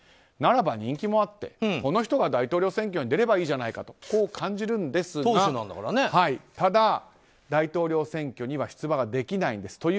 ならば、人気もあってこの人が大統領選挙に出ればいいんじゃないかとこう感じるんですがただ、大統領選挙には出馬ができないんです。